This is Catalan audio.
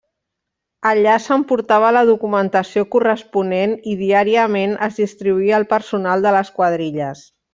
Allà s'emportava la documentació corresponent i diàriament es distribuïa el personal de les quadrilles.